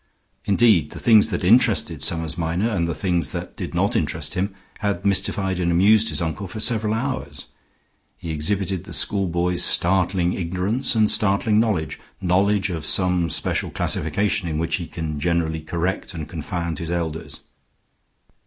Indeed, the things that interested Summers Minor, and the things that did not interest him, had mystified and amused his uncle for several hours. He exhibited the English schoolboy's startling ignorance and startling knowledge knowledge of some special classification in which he can generally correct and confound his elders.